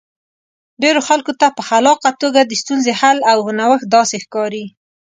ډېرو خلکو ته په خلاقه توګه د ستونزې حل او نوښت داسې ښکاري.